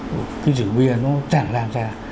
cái rượu bia nó chẳng làm ra